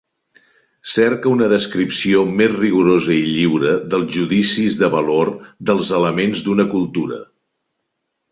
Cerca una descripció més rigorosa i lliure de judicis de valor dels elements d'una cultura.